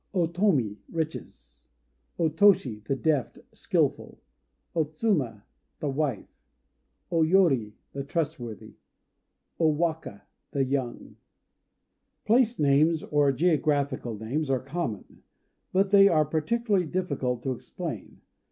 O Tomi "Riches." O Toshi "The Deft," skilful. O Tsuma "The Wife." O Yori "The Trustworthy." O Waka "The Young." Place names, or geographical names, are common; but they are particularly difficult to explain.